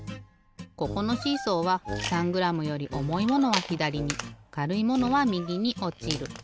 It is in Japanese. ここのシーソーは３グラムより重いものはひだりにかるいものはみぎにおちる。